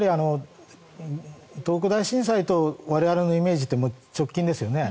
東北大震災と我々のイメージって直近ですよね。